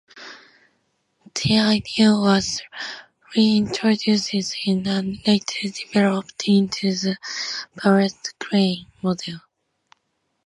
The idea was reintroduced in and later developed into the Barrett-Crane model.